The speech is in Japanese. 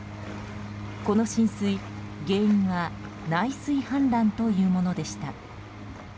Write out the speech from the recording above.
この浸水、原因は内水氾濫というものでした。